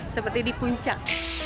seperti di puncak